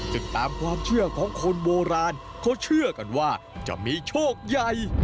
ซึ่งตามความเชื่อของคนโบราณเขาเชื่อกันว่าจะมีโชคใหญ่